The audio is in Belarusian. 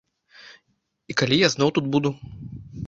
І калі я зноў тут буду?